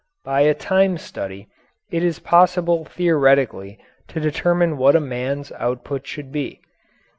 By a time study it is possible theoretically to determine what a man's output should be.